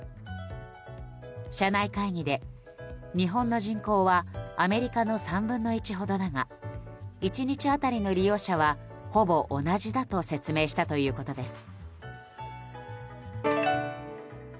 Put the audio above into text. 社内会議で、日本の人口はアメリカの３分の１ほどだが１日当たりの利用者はほぼ同じだと説明したということです。